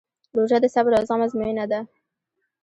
روژه د صبر او زغم ازموینه ده.